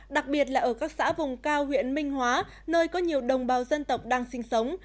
đặc biệt là ở các xã vùng cao huyện minh hóa nơi có nhiều đồng bào dân tộc đang sinh sống